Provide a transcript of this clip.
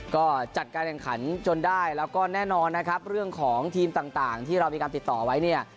ก็จัดการแข่งขันจนได้แล้วก็แน่นอนนะครับเรื่องของทีมต่างที่เรามีการติดต่อไว้เนี่ย